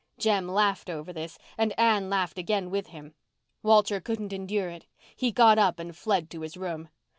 Jem laughed over this and Anne laughed again with him. Walter couldn't endure it. He got up and fled to his room.